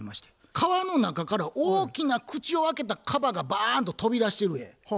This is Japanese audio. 川の中から大きな口を開けたカバがバーンと飛び出してる絵。